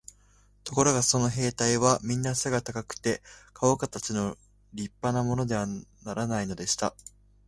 ところがその兵隊はみんな背が高くて、かおかたちの立派なものでなくてはならないのでした。